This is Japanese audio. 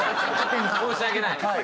申し訳ない。